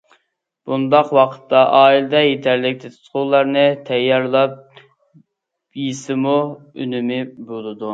بۇنداق ۋاقىتتا ئائىلىدە يېتەرلىك تېتىتقۇلارنى تەييارلاپ يېسىمۇ ئۈنۈمى بولىدۇ.